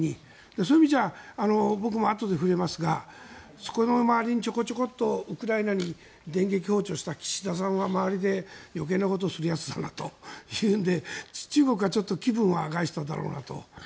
そういう意味では僕もあとで触れますがそこの周りにちょこちょこっとウクライナに電撃訪問した岸田さんは周りで、余計なことをするやつだなというので中国はちょっと気分は害しただろうなと。